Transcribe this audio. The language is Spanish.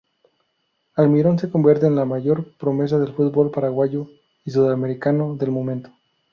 Almirón se convierte en la mayor promesa del futbol paraguayo y sudamericano del momento.